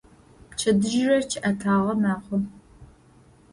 Пчэдыжьрэ чъыӀэтагъэ мэхъу.